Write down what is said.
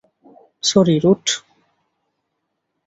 Sorry, root.